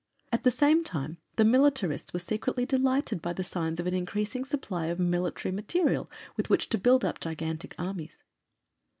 At the same time, the militarists were secretly delighted by the signs of an increasing supply of military material with which to build up gigantic armies.